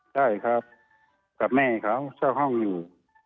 ใช่ครับกับแม่เขาเช่าห้องอยู่